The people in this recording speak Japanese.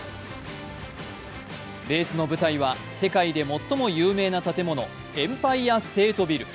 レースの舞台は世界で最も有名な建物エンパイアステートビル。